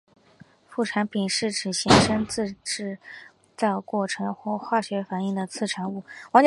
副产品是指衍生自制造过程或化学反应的次产物。